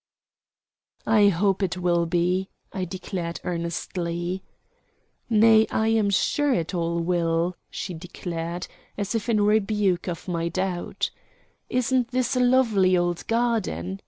"I hope it will be," I declared earnestly. "Nay, I am sure it all will," she declared, as if in rebuke of my doubt. "Isn't this a lovely old garden?"